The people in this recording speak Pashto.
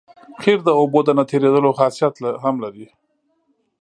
قیر د اوبو د نه تېرېدو خاصیت هم لري